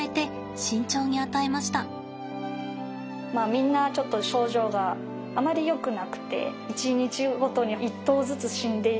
みんなちょっと症状があまりよくなくて１日ごとに１頭ずつ死んでいってしまうというような。